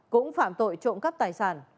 cũng phạm tội trộm cắt tài sản